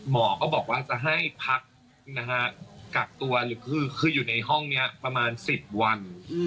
หมอก็บอกว่าจะให้พักกักตัวหรือคืออยู่ในห้องนี้ประมาณ๑๐วัน